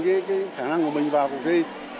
cái khả năng của mình vào cuộc thi